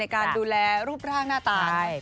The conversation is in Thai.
การดูแลรูปร่างหน้าตา